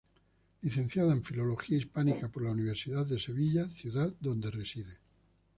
Licenciada en Filología Hispánica por la Universidad de Sevilla, ciudad donde reside.